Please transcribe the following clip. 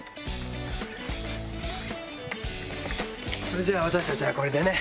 それじゃ私たちはこれでね。